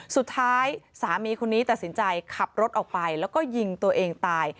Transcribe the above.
สุดท้ายสามีคนนี้ตัดสินใจขับรถออกไปแล้วก็ยิงตัวเองตาย